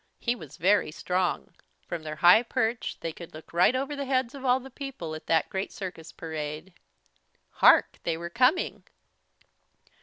He was very strong. From their high perch they could look right over the heads of all the people at that great circus parade. Hark! They were coming!